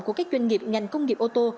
của các doanh nghiệp ngành công nghiệp ô tô